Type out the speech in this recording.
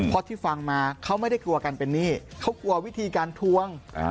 เพราะที่ฟังมาเขาไม่ได้กลัวกันเป็นหนี้เขากลัววิธีการทวง